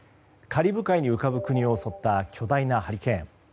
カリブ海に浮かぶ国を襲った巨大なハリケーン。